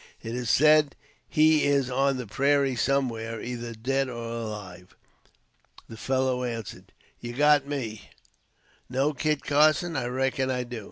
It is said he is on the prairies somewhere, either dead or alive." The fellow answered: "You've got me! Know Kit Carson! I reckon I do.